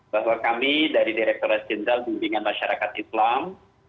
bahwa kami dari direktur residen jenderal bimbingan masyarakat islam